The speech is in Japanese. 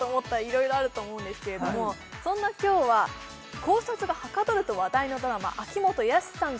色々あると思うんですけれどもそんな今日は考察がはかどると話題のドラマ秋元康さん